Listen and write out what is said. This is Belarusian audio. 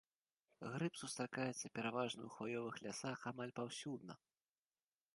Грыб сустракаецца пераважна ў хваёвых лясах амаль паўсюдна.